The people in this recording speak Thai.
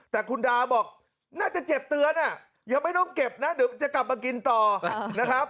แต่คุณดาบอกน่าจะเจ็บเตือนยังไม่ต้องเก็บนะเดี๋ยวจะกลับมากินต่อนะครับ